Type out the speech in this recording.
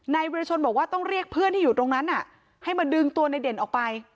วิรชนบอกว่าต้องเรียกเพื่อนที่อยู่ตรงนั้นให้มาดึงตัวในเด่นออกไป